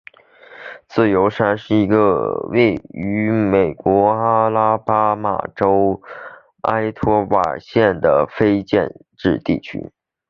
自由山是一个位于美国阿拉巴马州埃托瓦县的非建制地区。